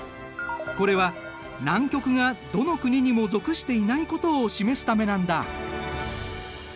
これは南極がどの国にも属していないことを示すためなんだ。